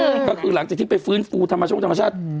หลังจากที่ธ่ามนาคารที่เพิ่มฟูธรรมชนตราชาติ